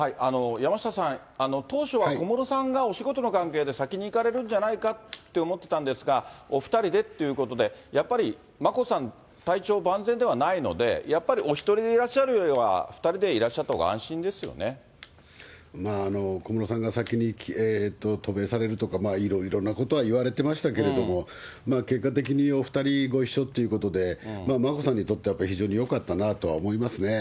山下さん、当初は小室さんがお仕事の関係で先に行かれるんじゃないかと思ってたんですが、お２人でっていうことで、やっぱり眞子さんの体調、万全ではないので、やっぱりお１人でいらっしゃるよりは、２人でいらっしゃったほう小室さんが先に渡米されるとか、いろいろなことはいわれてましたけれども、結果的にお２人ご一緒ということで、眞子さんにとっては非常によかったなとは思います